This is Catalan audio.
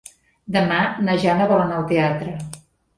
Demà na Jana vol anar al teatre.